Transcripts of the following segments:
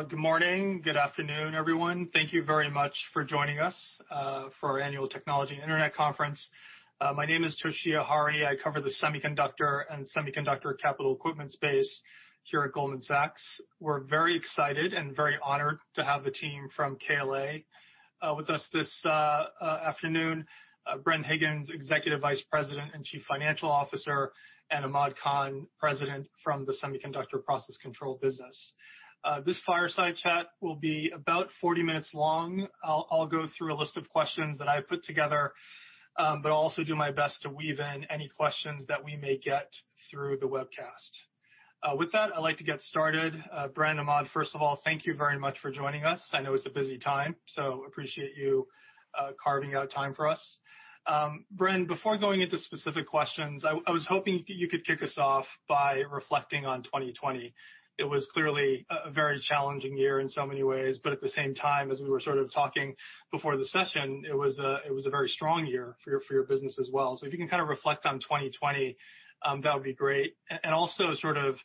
Hey, good morning. Good afternoon, everyone. Thank you very much for joining us for our annual technology and internet conference. My name is Toshiya Hari, I cover the Semiconductor and Semiconductor Capital Equipment space here at Goldman Sachs. We're very excited and very honored to have the team from KLA with us this afternoon. Bren Higgins, Executive Vice President and Chief Financial Officer, and Ahmad Khan, President from the Semiconductor Process Control business. This fireside chat will be about 40 minutes long. I'll go through a list of questions that I put together, but also do my best to weave in any questions that we may get through the webcast. With that, I'd like to get started. Bren, Ahmad, first of all, thank you very much for joining us. I know it's a busy time, appreciate you carving out time for us. Bren, before going into specific questions, I was hoping you could kick us off by reflecting on 2020. It was clearly a very challenging year in so many ways, but at the same time, as we were sort of talking before the session, it was a very strong year for your business as well. If you can kind of reflect on 2020, that would be great. Also sort of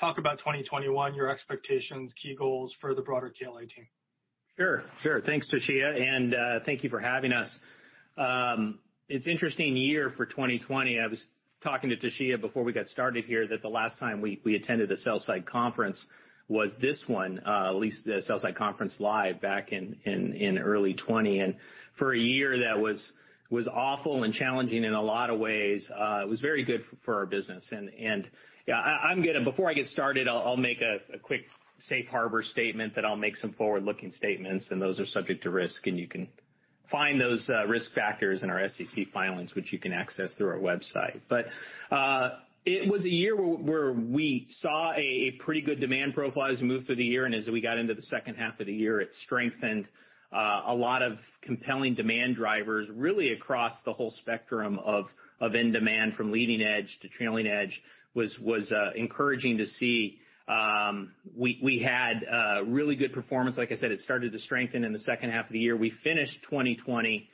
talk about 2021, your expectations, key goals for the broader KLA team. Sure. Thanks, Toshiya, and thank you for having us. It's interesting year for 2020. I was talking to Toshiya before we got started here, that the last time we attended a sell-side conference was this one, at least the sell-side conference live back in early 2020. For a year that was awful and challenging in a lot of ways, it was very good for our business. Before I get started, I'll make a quick safe harbor statement that I'll make some forward-looking statements, and those are subject to risk, and you can find those risk factors in our SEC filings, which you can access through our website. It was a year where we saw a pretty good demand profile as we moved through the year, and as we got into the second half of the year, it strengthened. A lot of compelling demand drivers, really across the whole spectrum of in demand from leading edge to trailing edge, was encouraging to see. We had really good performance. Like I said, it started to strengthen in the second half of the year. We finished 2020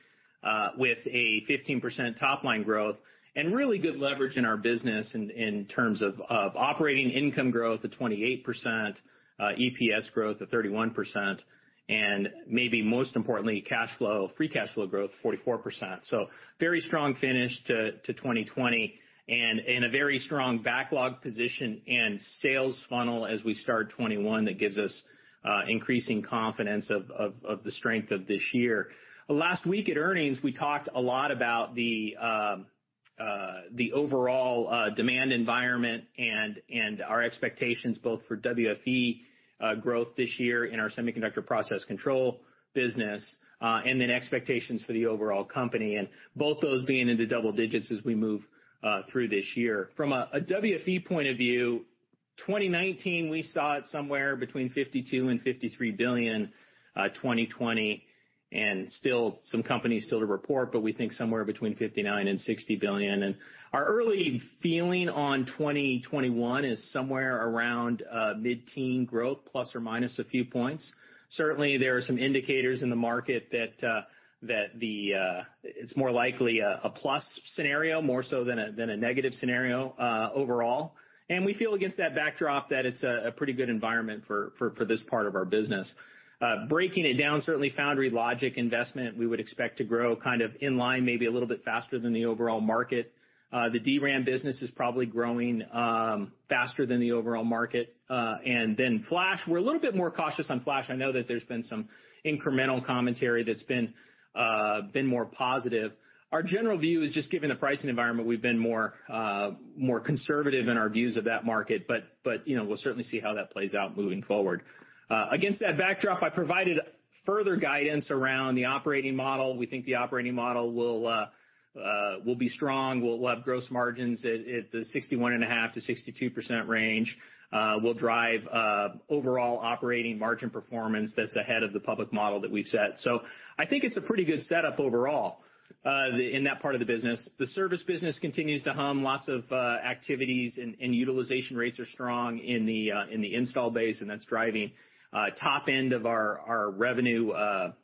with a 15% top-line growth and really good leverage in our business in terms of operating income growth at 28%, EPS growth at 31%, and maybe most importantly, free cash flow growth, 44%. Very strong finish to 2020, and in a very strong backlog position and sales funnel as we start 2021, that gives us increasing confidence of the strength of this year. Last week at earnings, we talked a lot about the overall demand environment and our expectations both for WFE growth this year in our Semiconductor Process Control business, expectations for the overall company, both those being into double digits as we move through this year. From a WFE point of view, 2019, we saw it somewhere between $52 billion and $53 billion, 2020, still some companies still to report, we think somewhere between $59 billion and $60 billion. Our early feeling on 2021 is somewhere around mid-teen growth, plus or minus a few points. Certainly, there are some indicators in the market that it's more likely a plus scenario, more so than a negative scenario overall. We feel against that backdrop, that it's a pretty good environment for this part of our business. Breaking it down, certainly foundry/logic investment, we would expect to grow kind of in line, maybe a little bit faster than the overall market. The DRAM business is probably growing faster than the overall market. Flash, we're a little bit more cautious on flash. I know that there's been some incremental commentary that's been more positive. Our general view is just given the pricing environment, we've been more conservative in our views of that market. We'll certainly see how that plays out moving forward. Against that backdrop, I provided further guidance around the operating model. We think the operating model will be strong, will have gross margins at the 61.5%-62% range, will drive overall operating margin performance that's ahead of the public model that we've set. I think it's a pretty good setup overall in that part of the business. The service business continues to hum, lots of activities, and utilization rates are strong in the install base, and that's driving top end of our revenue growth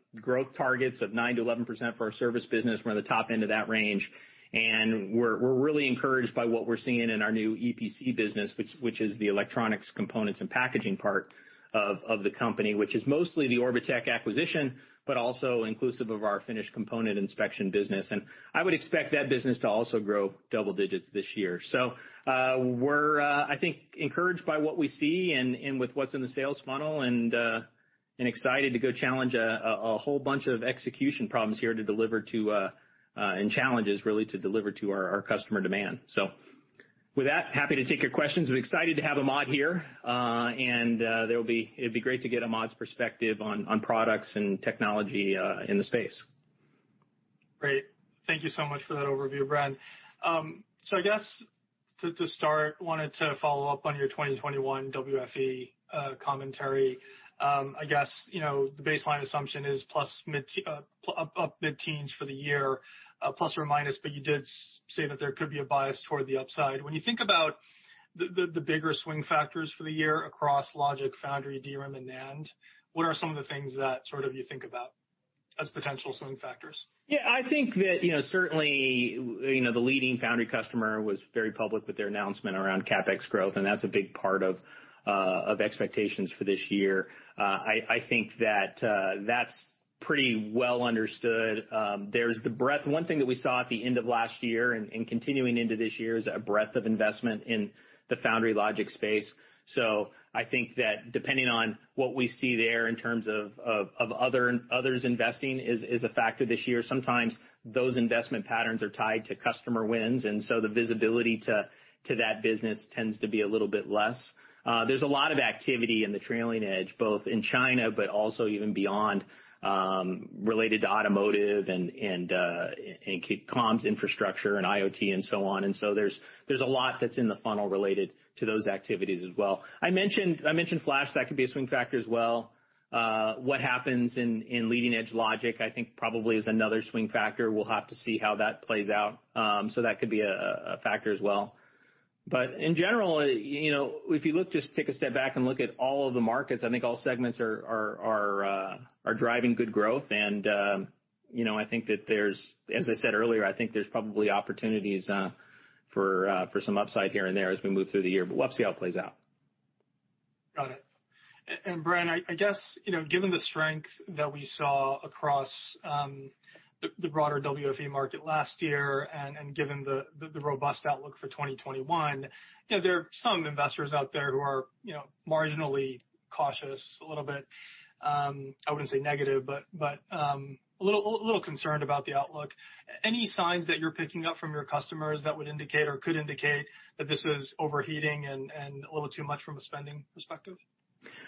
targets of 9% to 11% for our service business. We're on the top end of that range, and we're really encouraged by what we're seeing in our new EPC business, which is the electronics components and packaging part of the company, which is mostly the Orbotech acquisition, but also inclusive of our finished component inspection business. I would expect that business to also grow double digits this year. We're, I think encouraged by what we see and with what's in the sales funnel, and excited to go challenge a whole bunch of execution problems here to deliver to, and challenges really to deliver to our customer demand. With that, happy to take your questions. We're excited to have Ahmad here. It'd be great to get Ahmad's perspective on products and technology in the space. Great. Thank you so much for that overview, Bren. I guess to start, wanted to follow up on your 2021 WFE commentary. I guess, the baseline assumption is up mid-teens for the year, plus or minus, but you did say that there could be a bias toward the upside. When you think about the bigger swing factors for the year across logic/foundry, DRAM, and NAND, what are some of the things that sort of you think about as potential swing factors? I think that, certainly, the leading foundry customer was very public with their announcement around CapEx growth, and that's a big part of expectations for this year. I think that's pretty well understood. One thing that we saw at the end of last year and continuing into this year is a breadth of investment in the foundry logic space. I think that depending on what we see there in terms of others investing is a factor this year. Sometimes those investment patterns are tied to customer wins, the visibility to that business tends to be a little bit less. There's a lot of activity in the trailing edge, both in China, but also even beyond, related to automotive and comms infrastructure and IoT and so on. There's a lot that's in the funnel related to those activities as well. I mentioned flash, that could be a swing factor as well. What happens in leading-edge logic, I think, probably is another swing factor. We'll have to see how that plays out. That could be a factor as well. In general, if you just take a step back and look at all of the markets, I think all segments are driving good growth, and I think that there's, as I said earlier, I think there's probably opportunities for some upside here and there as we move through the year. We'll see how it plays out. Got it. Bren, I guess, given the strength that we saw across the broader WFE market last year and given the robust outlook for 2021, there are some investors out there who are marginally cautious a little bit. I wouldn't say negative, but a little concerned about the outlook. Any signs that you're picking up from your customers that would indicate or could indicate that this is overheating and a little too much from a spending perspective?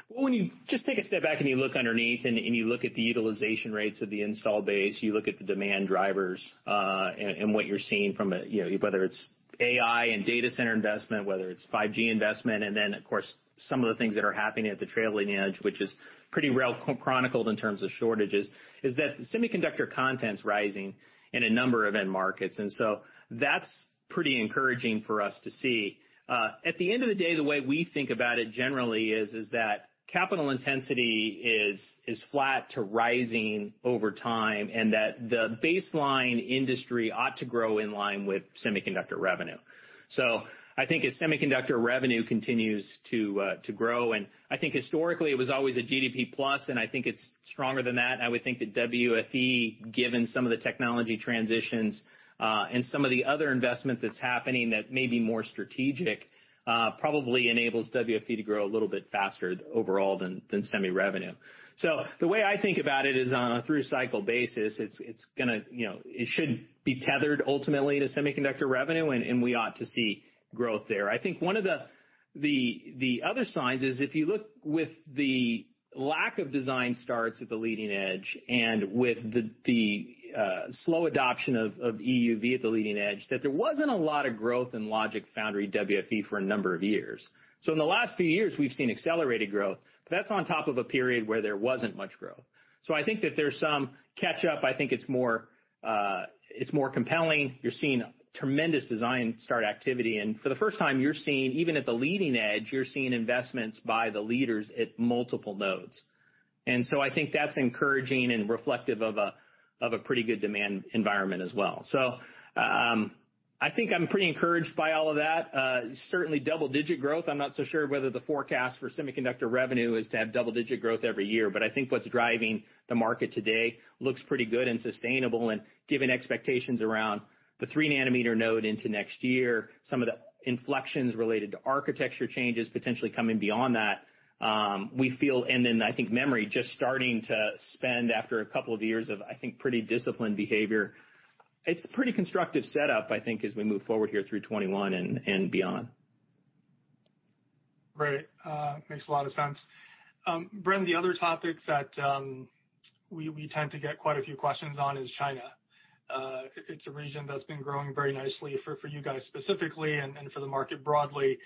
When you just take a step back and you look underneath and you look at the utilization rates of the install base, you look at the demand drivers, and what you're seeing from a, whether it's AI and data center investment, whether it's 5G investment, and then, of course, some of the things that are happening at the trailing edge, which is pretty well chronicled in terms of shortages, is that semiconductor content's rising in a number of end markets, and so that's pretty encouraging for us to see. At the end of the day, the way we think about it generally is that capital intensity is flat to rising over time, and that the baseline industry ought to grow in line with semiconductor revenue. I think as semiconductor revenue continues to grow, I think historically it was always a GDP plus, I think it's stronger than that. I would think that WFE, given some of the technology transitions, some of the other investment that's happening that may be more strategic, probably enables WFE to grow a little bit faster overall than semi revenue. The way I think about it is on a through-cycle basis, it should be tethered ultimately to semiconductor revenue, we ought to see growth there. I think one of the other signs is if you look with the lack of design starts at the leading edge and with the slow adoption of EUV at the leading edge, that there wasn't a lot of growth in logic/foundry WFE for a number of years. In the last few years, we've seen accelerated growth, but that's on top of a period where there wasn't much growth. I think that there's some catch-up. I think it's more compelling. You're seeing tremendous design start activity, and for the first time, you're seeing, even at the leading edge, you're seeing investments by the leaders at multiple nodes. I think that's encouraging and reflective of a pretty good demand environment as well. I think I'm pretty encouraged by all of that. Certainly double-digit growth. I'm not so sure whether the forecast for semiconductor revenue is to have double-digit growth every year, but I think what's driving the market today looks pretty good and sustainable, and given expectations around the 3 nm node into next year, some of the inflections related to architecture changes potentially coming beyond that, we feel, and then I think memory just starting to spend after a couple of years of, I think, pretty disciplined behavior. It's a pretty constructive setup, I think, as we move forward here through 2021 and beyond. Great. Makes a lot of sense. Bren, the other topic that we tend to get quite a few questions on is China. It's a region that's been growing very nicely for you guys specifically and for the market broadly,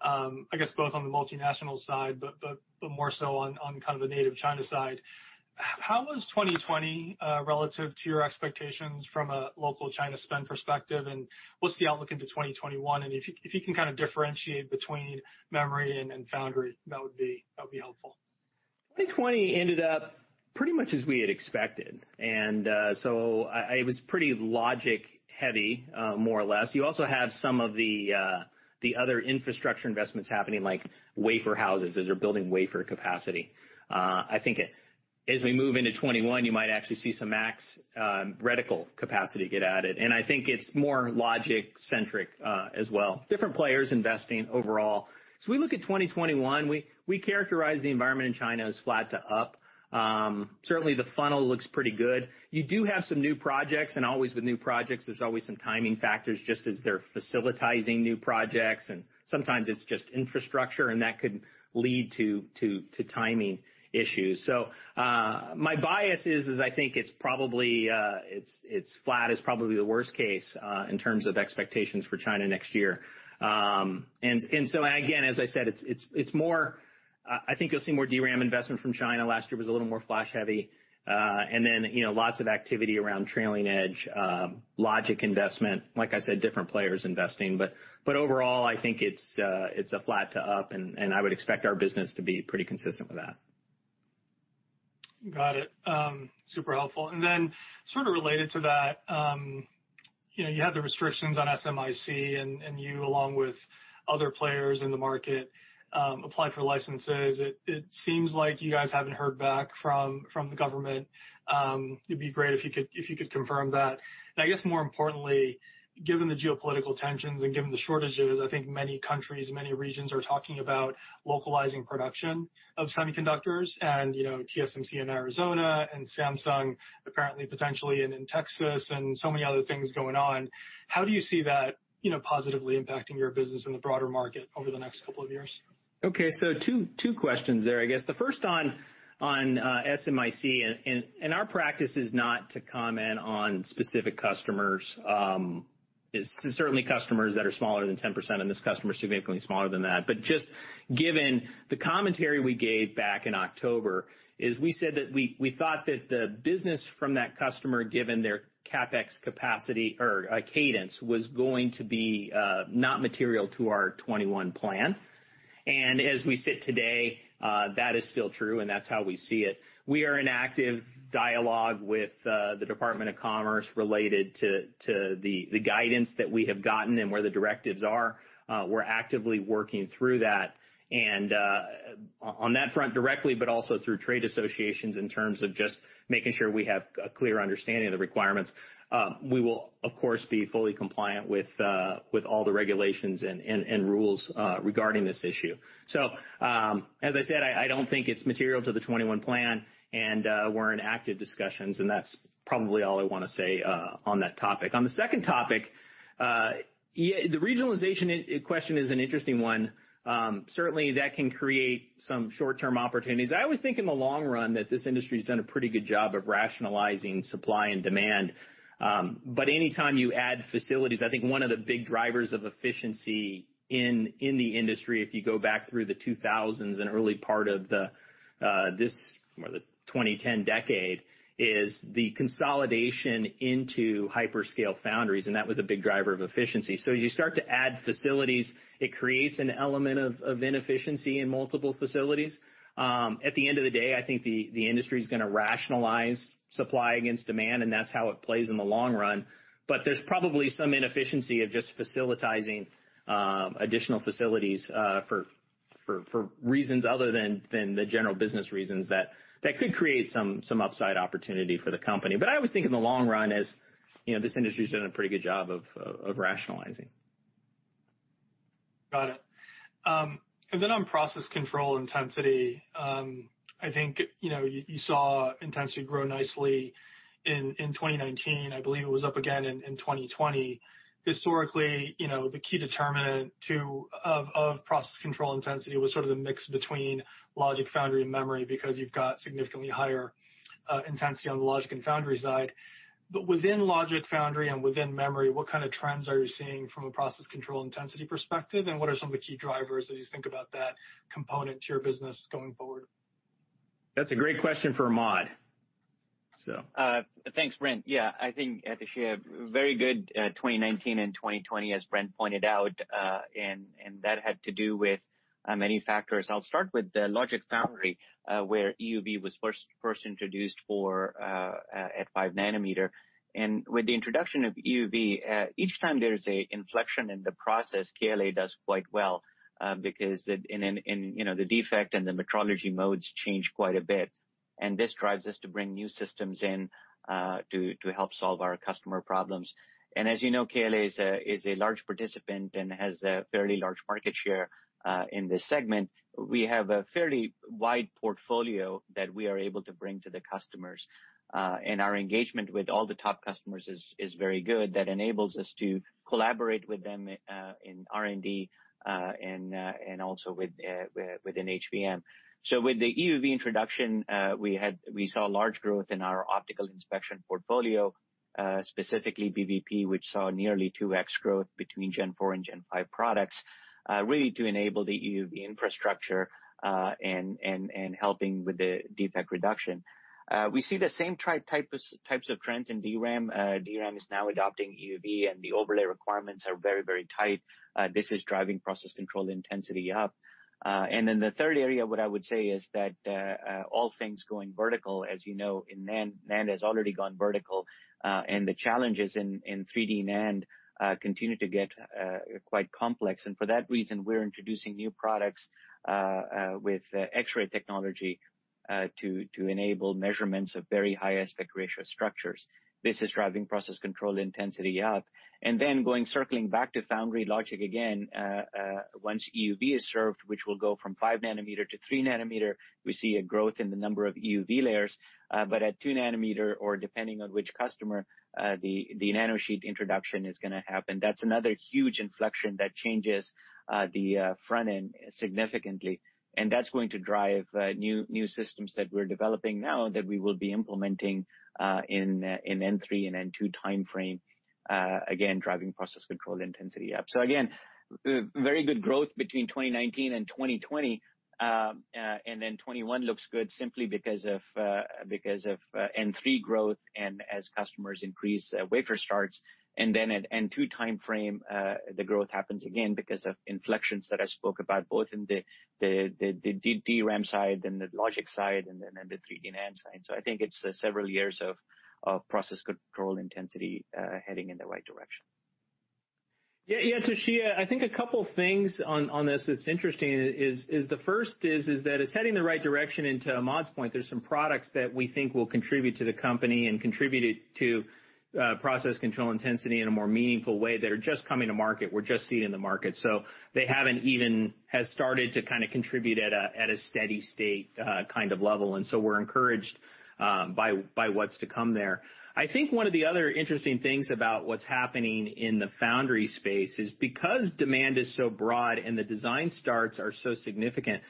I guess both on the multinational side, but more so on kind of the native China side. How was 2020 relative to your expectations from a local China spend perspective, and what's the outlook into 2021? If you can kind of differentiate between memory and foundry, that would be helpful. 2020 ended up pretty much as we had expected, and so it was pretty logic heavy, more or less. You also have some of the other infrastructure investments happening, like wafer houses, as they're building wafer capacity. I think as we move into 2021, you might actually see some mask/reticle capacity get added, and I think it's more logic centric as well. Different players investing overall. As we look at 2021, we characterize the environment in China as flat to up. Certainly, the funnel looks pretty good. You do have some new projects, and always with new projects, there's always some timing factors, just as they're facilitizing new projects, and sometimes it's just infrastructure, and that could lead to timing issues. My bias is I think it's flat is probably the worst case in terms of expectations for China next year. Again, as I said, I think you'll see more DRAM investment from China. Last year was a little more flash heavy. Then lots of activity around trailing edge logic investment. Like I said, different players investing, but overall, I think it's flat to up, and I would expect our business to be pretty consistent with that. Got it. Super helpful. Then sort of related to that, you had the restrictions on SMIC, and you along with other players in the market, applied for licenses. It seems like you guys haven't heard back from the government. It'd be great if you could confirm that. I guess more importantly, given the geopolitical tensions and given the shortages, I think many countries, many regions are talking about localizing production of semiconductors and TSMC in Arizona and Samsung apparently potentially in Texas and so many other things going on. How do you see that positively impacting your business in the broader market over the next couple of years? Okay, two questions there, I guess. The first on SMIC, our practice is not to comment on specific customers, certainly customers that are smaller than 10%, and this customer is significantly smaller than that. Just given the commentary we gave back in October, is we said that we thought that the business from that customer, given their CapEx capacity or cadence, was going to be not material to our 2021 plan. As we sit today, that is still true, and that's how we see it. We are in active dialogue with the Department of Commerce related to the guidance that we have gotten and where the directives are. We're actively working through that, on that front directly, also through trade associations in terms of just making sure we have a clear understanding of the requirements. We will, of course, be fully compliant with all the regulations and rules regarding this issue. As I said, I don't think it's material to the 2021 plan, and we're in active discussions, and that's probably all I want to say on that topic. On the second topic, the regionalization question is an interesting one. Certainly, that can create some short-term opportunities. I always think in the long run that this industry's done a pretty good job of rationalizing supply and demand. Any time you add facilities, I think one of the big drivers of efficiency in the industry, if you go back through the 2000s and early part of the 2010 decade, is the consolidation into hyperscale foundries, and that was a big driver of efficiency. As you start to add facilities, it creates an element of inefficiency in multiple facilities. At the end of the day, I think the industry is going to rationalize supply against demand. That's how it plays in the long run. There's probably some inefficiency of just facilitating additional facilities for reasons other than the general business reasons that could create some upside opportunity for the company. I always think in the long run, as this industry's done a pretty good job of rationalizing. Got it. On Process Control intensity, I think you saw intensity grow nicely in 2019. I believe it was up again in 2020. Historically, the key determinant of Process Control intensity was sort of the mix between logic, foundry and memory because you've got significantly higher intensity on the logic and foundry side. Within logic/foundry and within memory, what kind of trends are you seeing from a Process Control intensity perspective, and what are some of the key drivers as you think about that component to your business going forward? That's a great question for Ahmad. Thanks, Bren. Yeah, I think I could share very good 2019 and 2020, as Bren pointed out, and that had to do with many factors. I'll start with the logic/foundry, where EUV was first introduced at 5 nm. With the introduction of EUV, each time there is an inflection in the process, KLA does quite well because the defect and the metrology modes change quite a bit, and this drives us to bring new systems in to help solve our customer problems. As you know, KLA is a large participant and has a fairly large market share in this segment. We have a fairly wide portfolio that we are able to bring to the customers. Our engagement with all the top customers is very good. That enables us to collaborate with them in R&D, and also within HVM. With the EUV introduction, we saw large growth in our optical inspection portfolio, specifically BBP, which saw nearly 2x growth between Gen 4 and Gen 5 products, really to enable the EUV infrastructure, and helping with the defect reduction. We see the same types of trends in DRAM. DRAM is now adopting EUV, and the overlay requirements are very tight. This is driving process control intensity up. Then the third area, what I would say is that all things going vertical, as you know, NAND has already gone vertical, and the challenges in 3D NAND continue to get quite complex. For that reason, we're introducing new products with X-ray technology to enable measurements of very high aspect ratio structures. This is driving process control intensity up. Circling back to foundry/logic again, once EUV is served, which will go from 5 nm-3 nm, we see a growth in the number of EUV layers. At two nanometer or depending on which customer, the nanosheet introduction is going to happen. That's another huge inflection that changes the front end significantly, and that's going to drive new systems that we're developing now that we will be implementing in N3 and N2 timeframe, again, driving process control intensity up. Again, very good growth between 2019 and 2020, 2021 looks good simply because of N3 growth and as customers increase wafer starts. At N2 timeframe, the growth happens again because of inflections that I spoke about, both in the DRAM side and the logic side and then the 3D NAND side. I think it's several years of process control intensity heading in the right direction. Yeah, Toshiya, I think a couple things on this that's interesting is, the first is that it's heading the right direction into Ahmad's point. There's some products that we think will contribute to the company and contribute to process control intensity in a more meaningful way that are just coming to market. We're just seeing in the market. They haven't even started to contribute at a steady state kind of level, and so we're encouraged by what's to come there. I think one of the other interesting things about what's happening in the foundry space is because demand is so broad and the design starts are so significant,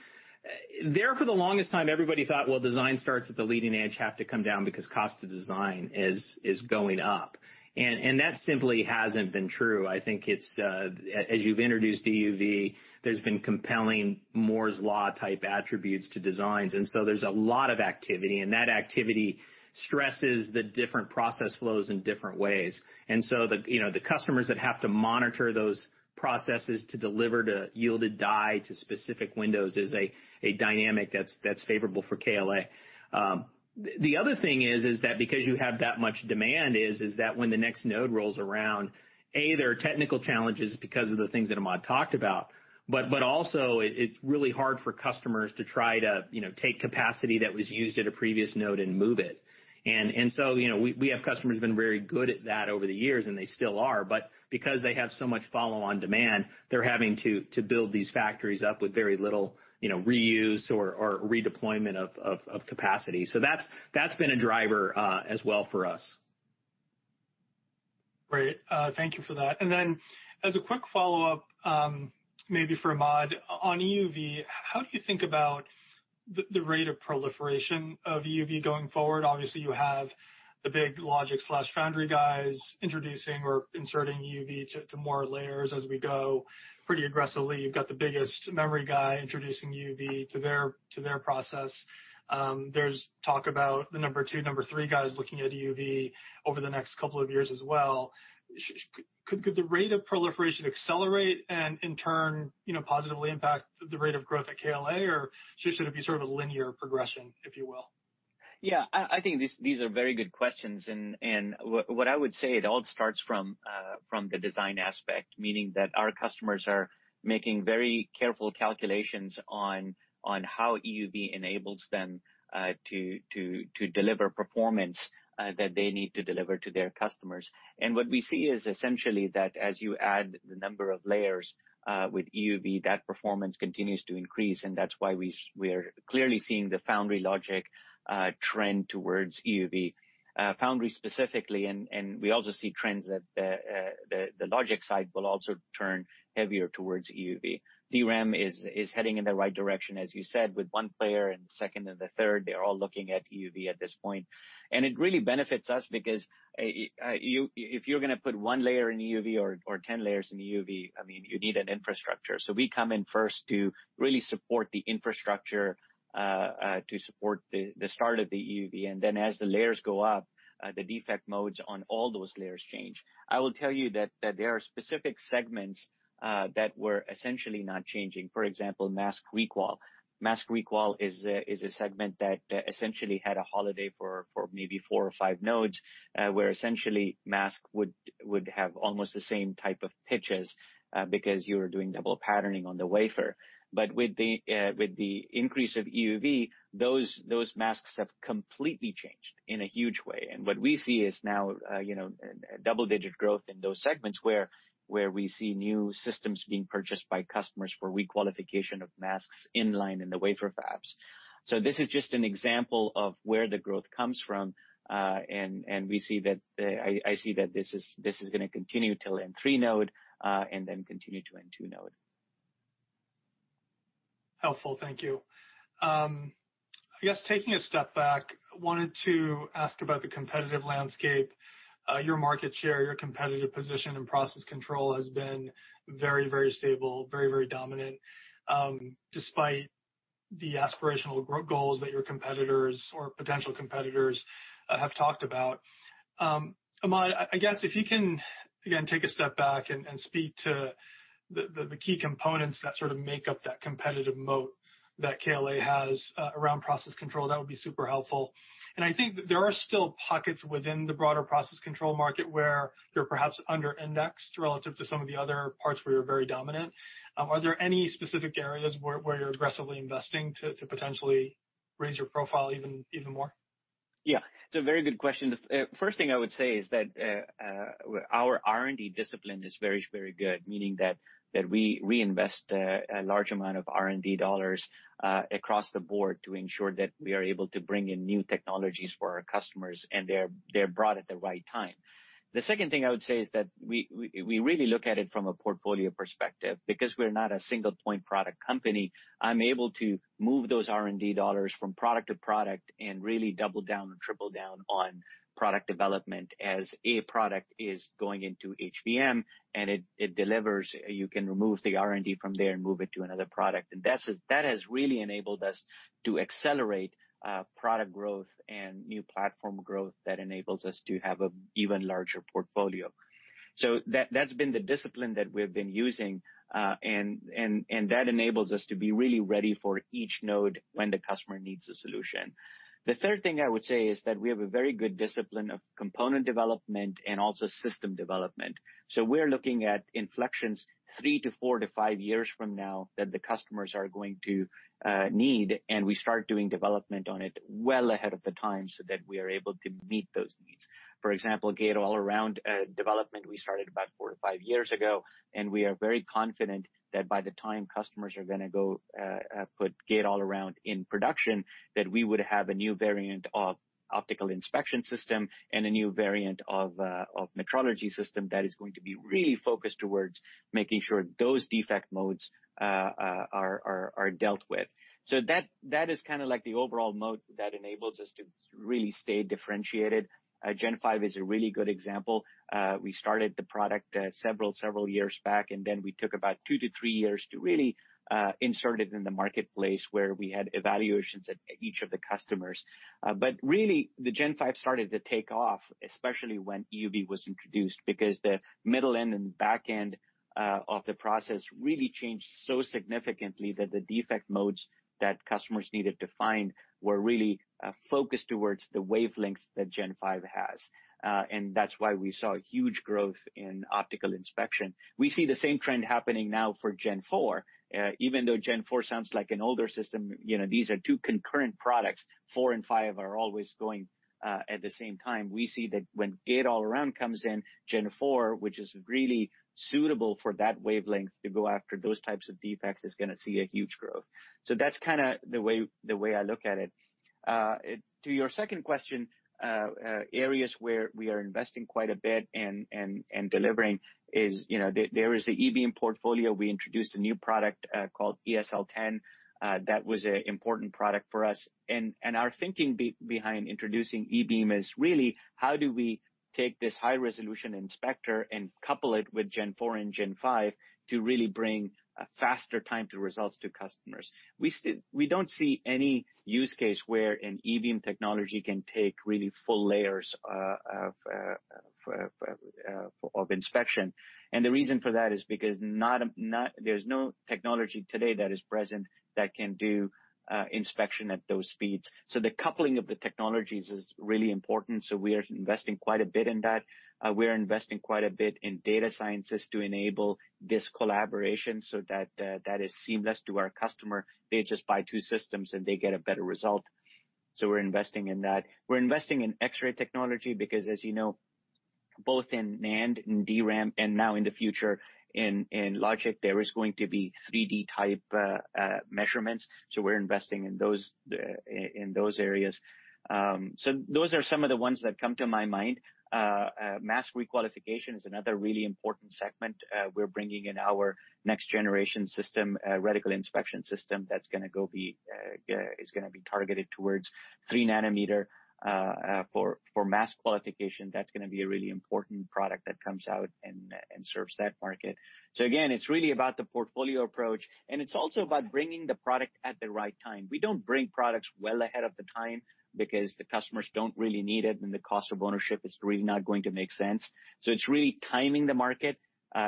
there for the longest time, everybody thought, well, design starts at the leading edge have to come down because cost to design is going up, and that simply hasn't been true. I think as you've introduced EUV, there's been compelling Moore's law type attributes to designs. There's a lot of activity, and that activity stresses the different process flows in different ways. The customers that have to monitor those processes to deliver to yield a die to specific windows is a dynamic that's favorable for KLA. The other thing is that because you have that much demand is that when the next node rolls around, A, there are technical challenges because of the things that Ahmad talked about. Also, it's really hard for customers to try to take capacity that was used at a previous node and move it. We have customers who've been very good at that over the years, and they still are, but because they have so much follow on demand, they're having to build these factories up with very little reuse or redeployment of capacity. That's been a driver, as well for us. Great. Thank you for that. Then as a quick follow-up, maybe for Ahmad, on EUV, how do you think about the rate of proliferation of EUV going forward? Obviously, you have the big logic/foundry guys introducing or inserting EUV to more layers as we go pretty aggressively. You've got the biggest memory guy introducing EUV to their process. There's talk about the number two, number three guys looking at EUV over the next couple of years as well. Could the rate of proliferation accelerate and in turn, positively impact the rate of growth at KLA? Should it be sort of a linear progression, if you will? Yeah. I think these are very good questions. What I would say, it all starts from the design aspect, meaning that our customers are making very careful calculations on how EUV enables them to deliver performance that they need to deliver to their customers. What we see is essentially that as you add the number of layers, with EUV, that performance continues to increase, and that's why we're clearly seeing the foundry logic trend towards EUV. Foundry specifically. We also see trends that the logic side will also turn heavier towards EUV. DRAM is heading in the right direction, as you said, with one player and the second and the third. They're all looking at EUV at this point. It really benefits us because if you're going to put one layer in EUV or 10 layers in EUV, you need an infrastructure. We come in first to really support the infrastructure, to support the start of the EUV, and then as the layers go up, the defect modes on all those layers change. I will tell you that there are specific segments that were essentially not changing. For example, mask requal. Mask requal is a segment that essentially had a holiday for maybe four or five nodes, where essentially mask would have almost the same type of pitches, because you were doing double patterning on the wafer. With the increase of EUV, those masks have completely changed in a huge way. What we see is now double-digit growth in those segments where we see new systems being purchased by customers for requalification of masks in-line in the wafer fabs. This is just an example of where the growth comes from, and I see that this is going to continue till N3 node, and then continue to N2 node. Helpful. Thank you. I guess taking a step back, wanted to ask about the competitive landscape, your market share, your competitive position in process control has been very stable, very dominant, despite the aspirational growth goals that your competitors or potential competitors have talked about. Ahmad, I guess if you can, again, take a step back and speak to the key components that sort of make up that competitive moat that KLA has around process control, that would be super helpful. I think that there are still pockets within the broader process control market where you're perhaps under-indexed relative to some of the other parts where you're very dominant. Are there any specific areas where you're aggressively investing to potentially raise your profile even more? Yeah. It's a very good question. The first thing I would say is that our R&D discipline is very, very good, meaning that we invest a large amount of R&D dollars across the board to ensure that we are able to bring in new technologies for our customers, and they're brought at the right time. The second thing I would say is that we really look at it from a portfolio perspective. Because we're not a single point product company, I'm able to move those R&D dollars from product to product and really double down and triple down on product development as a product is going into HVM and it delivers, you can remove the R&D from there and move it to another product. That has really enabled us to accelerate product growth and new platform growth that enables us to have an even larger portfolio. That's been the discipline that we've been using. That enables us to be really ready for each node when the customer needs a solution. The third thing I would say is that we have a very good discipline of component development and also system development. We're looking at inflections three to four to five years from now that the customers are going to need, and we start doing development on it well ahead of the time so that we are able to meet those needs. For example, gate-all-around development we started about four to five years ago, and we are very confident that by the time customers are going to go put gate-all-around in production, that we would have a new variant of optical inspection system and a new variant of metrology system that is going to be really focused towards making sure those defect modes are dealt with. That is kind of like the overall mode that enables us to really stay differentiated. Gen 5 is a really good example. We started the product several, several years back, and then we took about two to three years to really insert it in the marketplace where we had evaluations at each of the customers. Really, the Gen 5 started to take off, especially when EUV was introduced, because the middle end and back end of the process really changed so significantly that the defect modes that customers needed to find were really focused towards the wavelength that Gen 5 has. That's why we saw huge growth in optical inspection. We see the same trend happening now for Gen 4. Even though Gen 4 sounds like an older system, these are two concurrent products. Four and five are always going at the same time. We see that when gate-all-around comes in, Gen 4, which is really suitable for that wavelength to go after those types of defects, is going to see a huge growth. That's kind of the way I look at it. To your second question, areas where we are investing quite a bit and delivering is, there is the E-beam portfolio. We introduced a new product called eSL10. That was an important product for us. Our thinking behind introducing E-beam is really how do we take this high-resolution inspector and couple it with Gen 4 and Gen 5 to really bring a faster time to results to customers. We don't see any use case where an E-beam technology can take really full layers of inspection. The reason for that is because there's no technology today that is present that can do inspection at those speeds. The coupling of the technologies is really important, so we are investing quite a bit in that. We're investing quite a bit in data sciences to enable this collaboration so that that is seamless to our customer. They just buy two systems, and they get a better result. We're investing in that. We're investing in X-ray technology because as you know, both in NAND and DRAM and now in the future in logic, there is going to be 3D type measurements. We're investing in those areas. Those are some of the ones that come to my mind. Mask requalification is another really important segment. We're bringing in our next generation system, reticle inspection system that is going to be targeted towards 3 nm, for mask qualification. That's going to be a really important product that comes out and serves that market. Again, it's really about the portfolio approach, and it's also about bringing the product at the right time. We don't bring products well ahead of the time because the customers don't really need it, and the cost of ownership is really not going to make sense. It's really timing the market,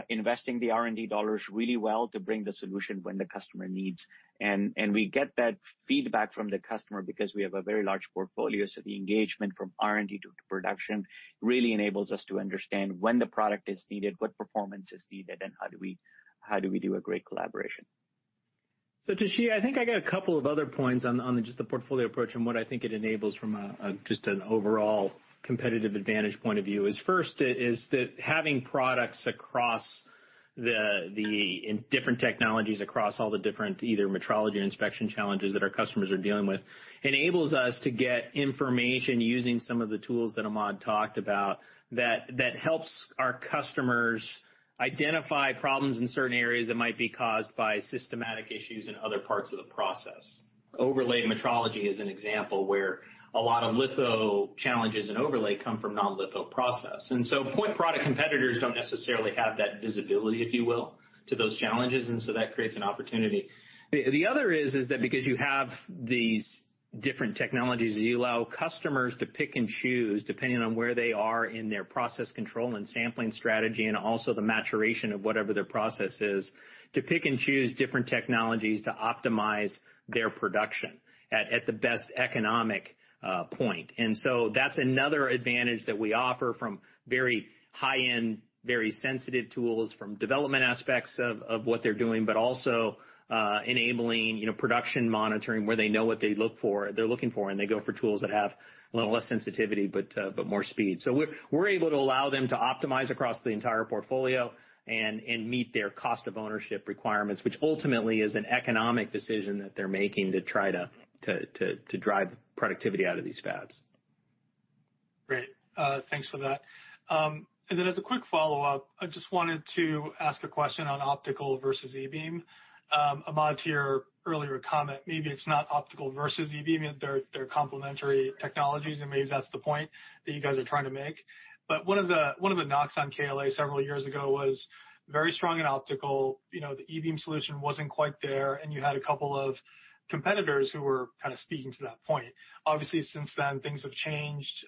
investing the R&D dollars really well to bring the solution when the customer needs. We get that feedback from the customer because we have a very large portfolio, so the engagement from R&D to production really enables us to understand when the product is needed, what performance is needed, and how do we do a great collaboration. Toshiya, I think I got a couple of other points on just the portfolio approach and what I think it enables from just an overall competitive advantage point of view is first, is that having products across the different technologies, across all the different either metrology or inspection challenges that our customers are dealing with, enables us to get information using some of the tools that Ahmad talked about that helps our customers identify problems in certain areas that might be caused by systematic issues in other parts of the process. Overlay metrology is an example where a lot of litho challenges in overlay come from non-litho process. Point product competitors don't necessarily have that visibility, if you will, to those challenges, that creates an opportunity. The other is that because you have these different technologies that you allow customers to pick and choose depending on where they are in their process control and sampling strategy and also the maturation of whatever their process is, to pick and choose different technologies to optimize their production at the best economic point. That's another advantage that we offer from very high-end, very sensitive tools from development aspects of what they're doing, but also enabling production monitoring where they know what they're looking for, and they go for tools that have a little less sensitivity but more speed. We're able to allow them to optimize across the entire portfolio and meet their cost of ownership requirements, which ultimately is an economic decision that they're making to try to drive productivity out of these fabs. Great. Thanks for that. As a quick follow-up, I just wanted to ask a question on optical versus E-beam. Ahmad, to your earlier comment, maybe it's not optical versus E-beam, they're complementary technologies, and maybe that's the point that you guys are trying to make. One of the knocks on KLA several years ago was very strong in optical. The E-beam solution wasn't quite there, and you had a couple of competitors who were kind of speaking to that point. Obviously, since then, things have changed.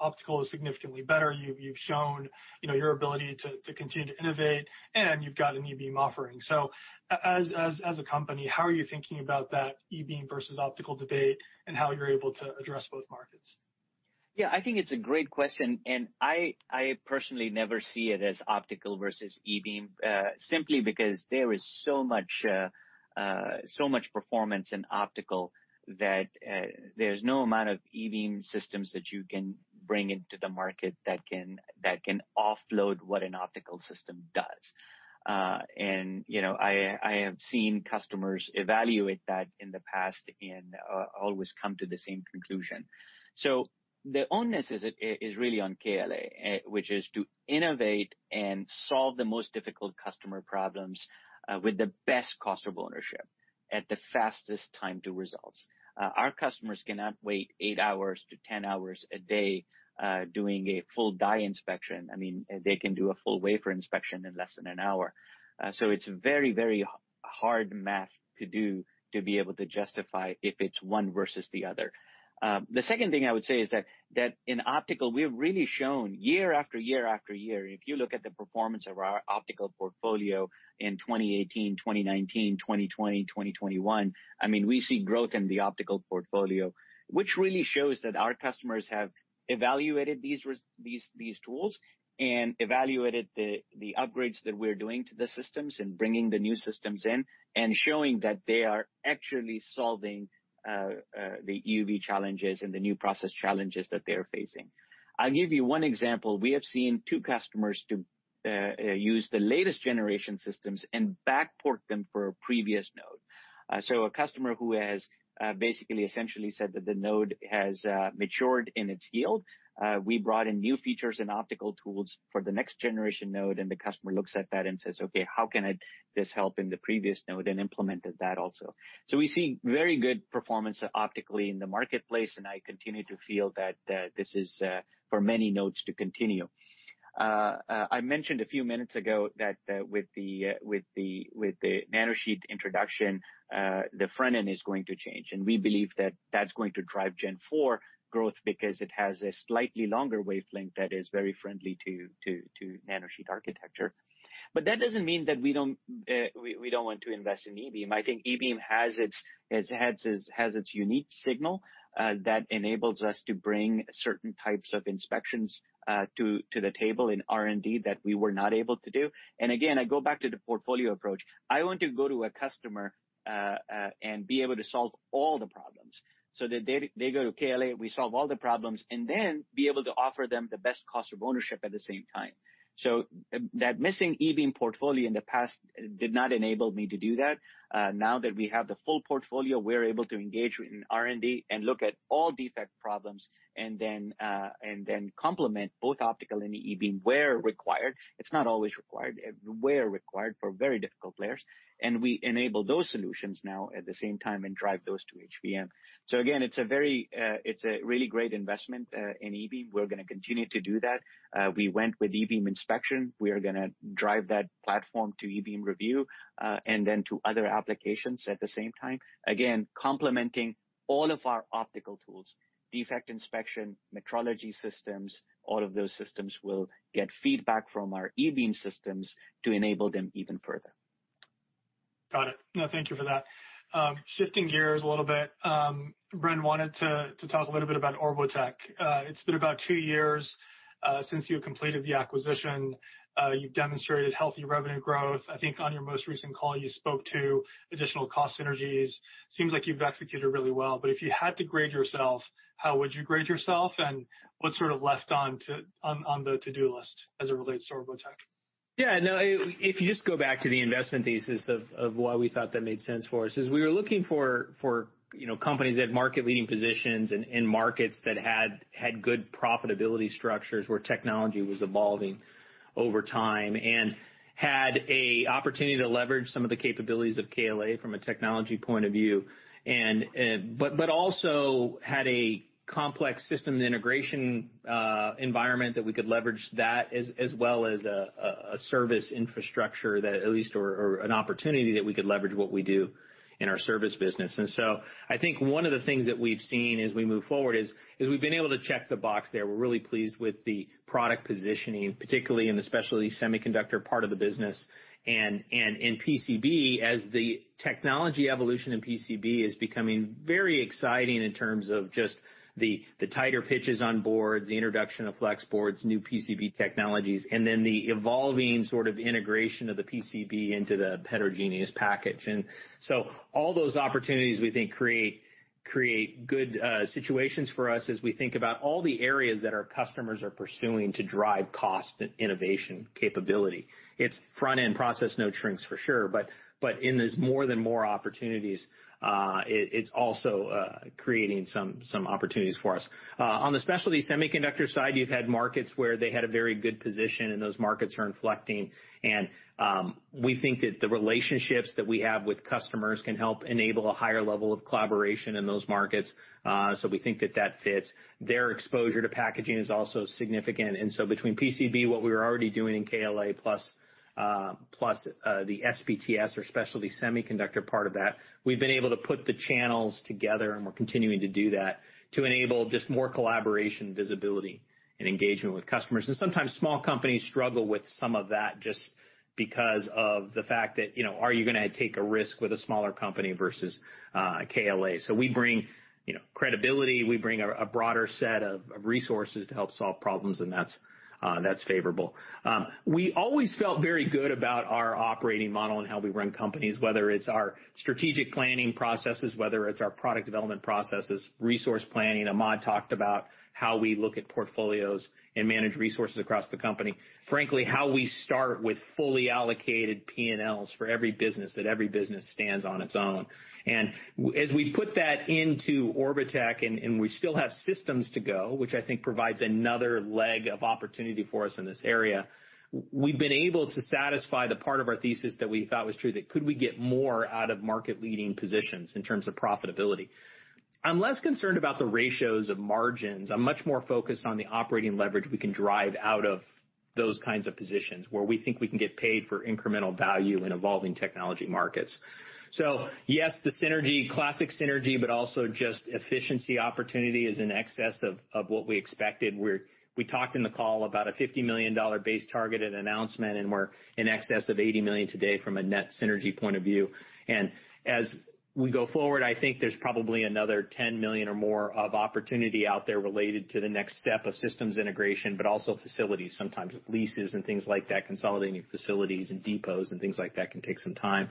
Optical is significantly better. You've shown your ability to continue to innovate, and you've got an E-beam offering. As a company, how are you thinking about that E-beam versus optical debate, and how you're able to address both markets? Yeah, I think it's a great question, I personally never see it as optical versus E-beam, simply because there is so much performance in optical that there's no amount of E-beam systems that you can bring into the market that can offload what an optical system does. I have seen customers evaluate that in the past and always come to the same conclusion. The onus is really on KLA, which is to innovate and solve the most difficult customer problems, with the best cost of ownership at the fastest time to results. Our customers cannot wait eight hours to 10 hours a day, doing a full die inspection. They can do a full wafer inspection in less than an hour. It's very hard math to do to be able to justify if it's one versus the other. The second thing I would say is that in optical, we have really shown year after year, if you look at the performance of our optical portfolio in 2018, 2019, 2020, 2021, we see growth in the optical portfolio, which really shows that our customers have evaluated these tools and evaluated the upgrades that we're doing to the systems and bringing the new systems in and showing that they are actually solving the EUV challenges and the new process challenges that they're facing. I'll give you one example. We have seen two customers use the latest generation systems and back port them for a previous node. A customer who has basically essentially said that the node has matured in its yield, we brought in new features and optical tools for the next generation node, and the customer looks at that and says, "Okay, how can this help in the previous node?" Implemented that also. We see very good performance optically in the marketplace, and I continue to feel that this is for many nodes to continue. I mentioned a few minutes ago that with the nanosheet introduction, the front end is going to change, and we believe that that's going to drive Gen 4 growth because it has a slightly longer wavelength that is very friendly to nanosheet architecture. That doesn't mean that we don't want to invest in E-beam. I think E-beam has its unique signal that enables us to bring certain types of inspections to the table in R&D that we were not able to do. Again, I go back to the portfolio approach. I want to go to a customer and be able to solve all the problems so that they go to KLA, we solve all the problems, and then be able to offer them the best cost of ownership at the same time. That missing E-beam portfolio in the past did not enable me to do that. Now that we have the full portfolio, we're able to engage in R&D and look at all defect problems and then complement both optical and the E-beam where required. It's not always required, where required for very difficult layers. We enable those solutions now at the same time and drive those to HVM. Again, it's a really great investment in E-beam. We're going to continue to do that. We went with E-beam inspection. We are going to drive that platform to E-beam review, and then to other applications at the same time. Again, complementing all of our optical tools, defect inspection, metrology systems, all of those systems will get feedback from our E-beam systems to enable them even further. Got it. No, thank you for that. Shifting gears a little bit, Bren, wanted to talk a little bit about Orbotech. It's been about two years since you completed the acquisition. You've demonstrated healthy revenue growth. I think on your most recent call, you spoke to additional cost synergies. Seems like you've executed really well. But if you had to grade yourself, how would you grade yourself, and what's sort of left on the to-do list as it relates to Orbotech? Yeah, no. If you just go back to the investment thesis of why we thought that made sense for us, is we were looking for companies that have market-leading positions in markets that had good profitability structures, where technology was evolving over time, and had an opportunity to leverage some of the capabilities of KLA from a technology point of view. Also had a complex systems integration environment that we could leverage that, as well as an opportunity that we could leverage what we do in our service business. I think one of the things that we've seen as we move forward is we've been able to check the box there. We're really pleased with the product positioning, particularly in the specialty semiconductor part of the business, and in PCB, as the technology evolution in PCB is becoming very exciting in terms of just the tighter pitches on boards, the introduction of flex boards, new PCB technologies, and then the evolving sort of integration of the PCB into the heterogeneous package. All those opportunities, we think create good situations for us as we think about all the areas that our customers are pursuing to drive cost innovation capability. It's front-end process node shrinks for sure, but in this more and more opportunities, it's also creating some opportunities for us. On the specialty semiconductor side, you've had markets where they had a very good position, and those markets are inflecting. We think that the relationships that we have with customers can help enable a higher level of collaboration in those markets. We think that that fits. Their exposure to packaging is also significant. Between PCB, what we were already doing in KLA, plus, the SPTS or specialty semiconductor part of that, we've been able to put the channels together, and we're continuing to do that to enable just more collaboration, visibility, and engagement with customers. Sometimes small companies struggle with some of that just because of the fact that are you going to take a risk with a smaller company versus, KLA? We bring credibility, we bring a broader set of resources to help solve problems, and that's favorable. We always felt very good about our operating model and how we run companies, whether it's our strategic planning processes, whether it's our product development processes, resource planning. Ahmad talked about how we look at portfolios and manage resources across the company. Frankly, how we start with fully allocated P&Ls for every business, that every business stands on its own. As we put that into Orbotech, and we still have systems to go, which I think provides another leg of opportunity for us in this area. We've been able to satisfy the part of our thesis that we thought was true, that could we get more out of market-leading positions in terms of profitability? I'm less concerned about the ratios of margins. I'm much more focused on the operating leverage we can drive out of those kinds of positions, where we think we can get paid for incremental value in evolving technology markets. Yes, the synergy, classic synergy, but also just efficiency opportunity is in excess of what we expected. We talked on the call about a $50 million base target at announcement, and we're in excess of $80 million today from a net synergy point of view. As we go forward, I think there's probably another $10 million or more of opportunity out there related to the next step of systems integration, but also facilities, sometimes leases and things like that, consolidating facilities and depots and things like that can take some time.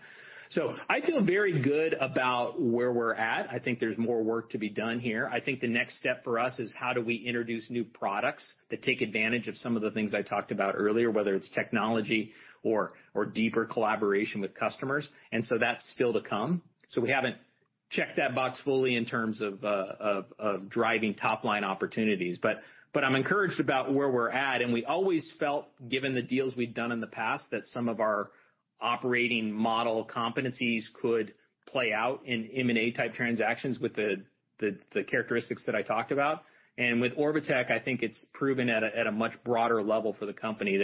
I feel very good about where we're at. I think there's more work to be done here. I think the next step for us is how do we introduce new products that take advantage of some of the things I talked about earlier, whether it's technology or deeper collaboration with customers, and so that's still to come. We haven't checked that box fully in terms of driving top-line opportunities. I'm encouraged about where we're at, and we always felt, given the deals we'd done in the past, that some of our operating model competencies could play out in M&A type transactions with the characteristics that I talked about. With Orbotech, I think it's proven at a much broader level for the company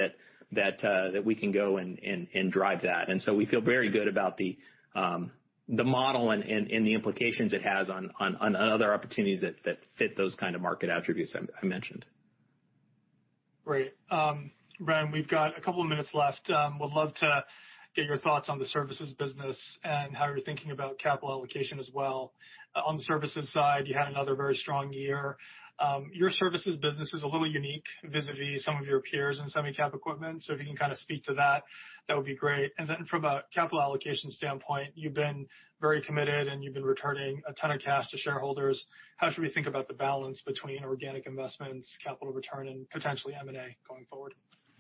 that we can go and drive that. We feel very good about the model and the implications it has on other opportunities that fit those kind of market attributes I mentioned. Great. Bren, we've got a couple of minutes left. Would love to get your thoughts on the services business and how you're thinking about capital allocation as well. On the services side, you had another very strong year. Your services business is a little unique vis-à-vis some of your peers in semi cap equipment. If you can kind of speak to that would be great. From a capital allocation standpoint, you've been very committed, and you've been returning a ton of cash to shareholders. How should we think about the balance between organic investments, capital return, and potentially M&A going forward?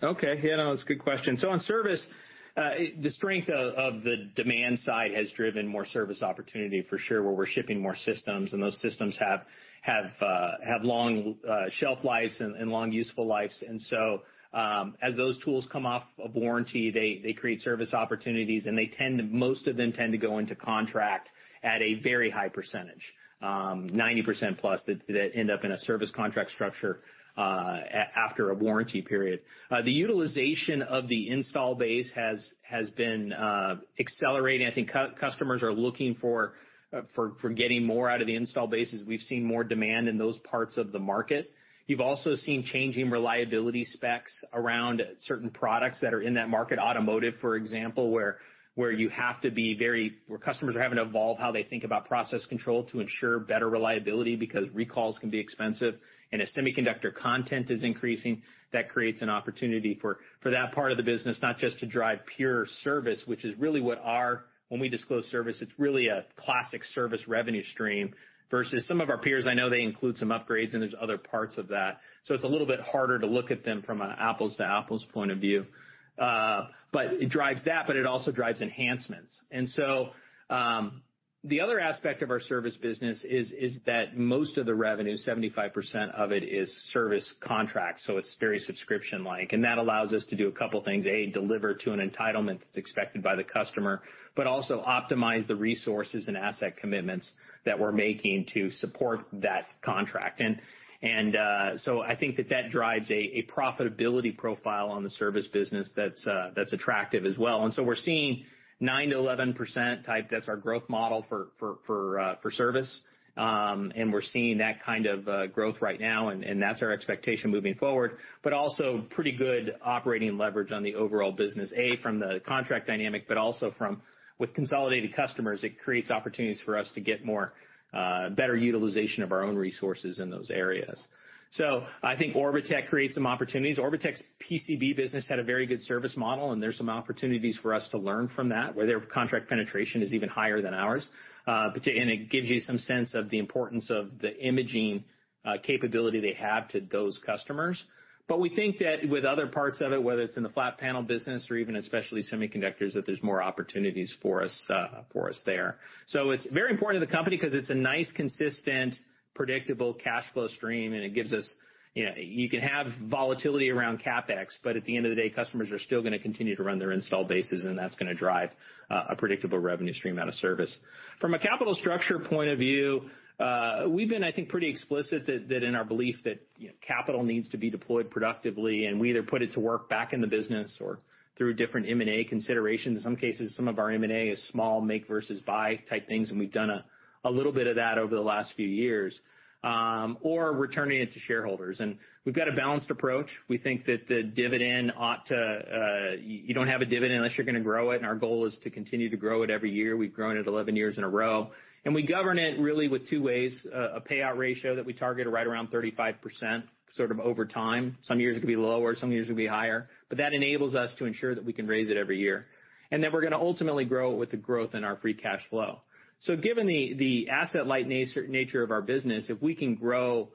Okay. Yeah, no, it's a good question. On service, the strength of the demand side has driven more service opportunity for sure, where we're shipping more systems, and those systems have long shelf lives and long useful lives. As those tools come off of warranty, they create service opportunities, and they tend, most of them tend to go into contract at a very high percentage. 90%+ that end up in a service contract structure, after a warranty period. The utilization of the install base has been accelerating. I think customers are looking for getting more out of the install bases. We've seen more demand in those parts of the market. You've also seen changing reliability specs around certain products that are in that market. Automotive, for example, where customers are having to evolve how they think about process control to ensure better reliability, because recalls can be expensive. As semiconductor content is increasing, that creates an opportunity for that part of the business, not just to drive pure service, which is really when we disclose service, it's really a classic service revenue stream versus some of our peers, I know they include some upgrades, and there's other parts of that. It's a little bit harder to look at them from an apples-to-apples point of view. It drives that, but it also drives enhancements. The other aspect of our service business is that most of the revenue, 75% of it, is service contracts, so it's very subscription-like. That allows us to do a couple things. A, deliver to an entitlement that's expected by the customer, but also optimize the resources and asset commitments that we're making to support that contract. I think that drives a profitability profile on the service business that's attractive as well. We're seeing 9%-11% type. That's our growth model for service. We're seeing that kind of growth right now, and that's our expectation moving forward, but also pretty good operating leverage on the overall business, a, from the contract dynamic, but also with consolidated customers, it creates opportunities for us to get better utilization of our own resources in those areas. I think Orbotech creates some opportunities. Orbotech's PCB business had a very good service model, and there's some opportunities for us to learn from that, where their contract penetration is even higher than ours. It gives you some sense of the importance of the imaging capability they have to those customers. We think that with other parts of it, whether it's in the flat panel business or even especially semiconductors, that there's more opportunities for us there. It's very important to the company because it's a nice, consistent, predictable cash flow stream, and you can have volatility around CapEx, but at the end of the day, customers are still going to continue to run their install bases, and that's going to drive a predictable revenue stream out of service. From a capital structure point of view, we've been, I think, pretty explicit that in our belief that capital needs to be deployed productively, and we either put it to work back in the business or through different M&A considerations. In some cases, some of our M&A is small make versus buy type things, and we've done a little bit of that over the last few years, or returning it to shareholders. We've got a balanced approach. We think that the dividend ought to. You don't have a dividend unless you're going to grow it, and our goal is to continue to grow it every year. We've grown it 11 years in a row. We govern it really with two ways, a payout ratio that we target right around 35% sort of over time. Some years it could be lower, some years it could be higher. That enables us to ensure that we can raise it every year. Then we're going to ultimately grow it with the growth in our free cash flow. Given the asset-light nature of our business, if we can grow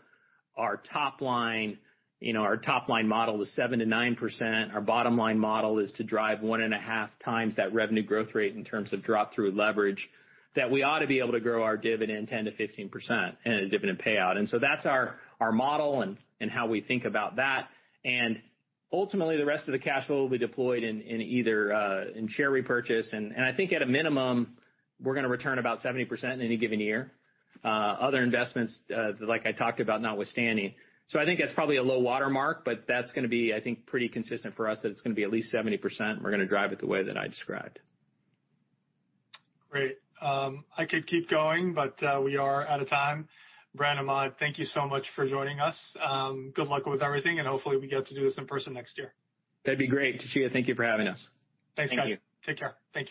our top-line model to 7%-9%, our bottom-line model is to drive 1.5x that revenue growth rate in terms of drop-through leverage, that we ought to be able to grow our dividend 10%-15% in a dividend payout. That's our model and how we think about that. Ultimately, the rest of the cash flow will be deployed in either share repurchase, and I think at a minimum, we're going to return about 70% in any given year. Other investments, like I talked about, notwithstanding. I think that's probably a low watermark, but that's going to be, I think, pretty consistent for us, that it's going to be at least 70%, and we're going to drive it the way that I described. Great. I could keep going, but we are out of time. Bren and Ahmad, thank you so much for joining us. Good luck with everything, hopefully we get to do this in person next year. That'd be great. Toshiya, thank you for having us. Thanks, guys. Thank you. Take care. Thank you.